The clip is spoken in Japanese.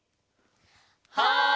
はい！